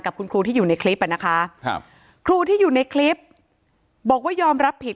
คุณครูที่อยู่ในคลิปอ่ะนะคะครูที่อยู่ในคลิปบอกว่ายอมรับผิด